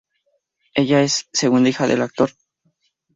Ella es segunda hija del actor Pt.